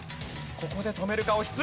ここで止めるか？